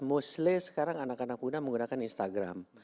mostly sekarang anak anak muda menggunakan instagram